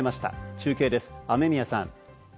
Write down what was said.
中継です、雨宮さん。